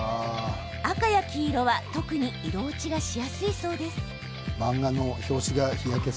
赤や黄色は特に色落ちしやすいそうです。